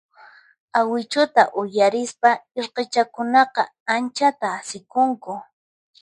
Awichuta uyarispa irqichakunaqa anchata asikunku.